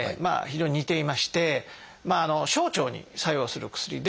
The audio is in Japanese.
非常に似ていまして小腸に作用する薬で。